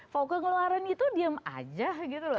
fokal keluaran itu diam saja gitu loh